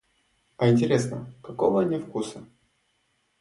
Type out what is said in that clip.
А интересно, какого они вкуса?